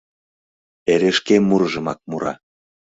Эре шке мурыжымак мура.